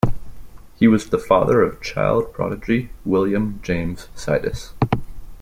He was the father of child prodigy William James Sidis.